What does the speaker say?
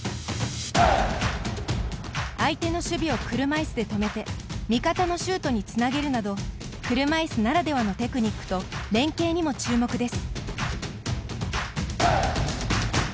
相手の守備を車いすで止めて味方のシュートにつなげるなど車いすならではのテクニックと連係にも注目です。